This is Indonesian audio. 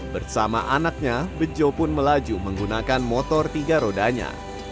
bersama anaknya bejo pun melaju menggunakan motor tiga rodanya